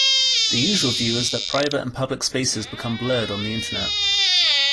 The usual view is that private and public spaces become blurred on the Internet.